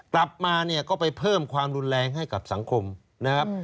กลับมาเนี่ยก็ไปเพิ่มความรุนแรงให้กับสังคมนะครับ